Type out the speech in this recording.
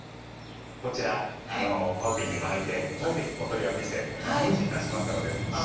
こちらパオピンに巻いてお取り分けして今お持ちいたしますので。